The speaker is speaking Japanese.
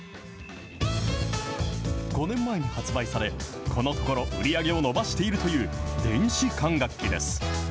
５年前に発売され、このところ、売り上げを伸ばしているという電子管楽器です。